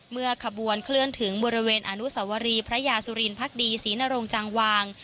เมื่อขบวนเคลื่อนถึงบริเวณอนุสวรีพระยาสุรินพักดีศรีนรงจังวาง